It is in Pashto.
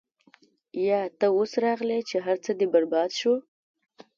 يا تۀ اوس راغلې چې هر څۀ دې برباد شو -